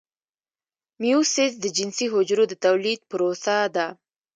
میوسیس د جنسي حجرو د تولید پروسه ده